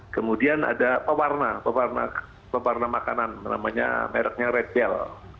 kemudian ada pewarna makanan namanya mereknya red bell